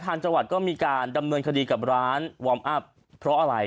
ทางจังหวัดก็มีการดำเนินคดีกับร้านวอร์มอัพเพราะอะไร